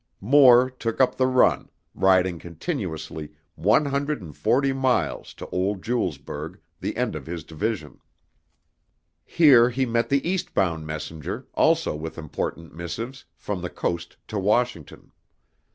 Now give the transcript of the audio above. Moore "took up the run," riding continuously one hundred and forty miles to old Julesburg, the end of his division. Here he met the eastbound messenger, also with important missives, from the Coast to Washington.